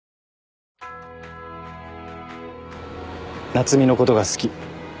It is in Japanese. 夏海のことが好き。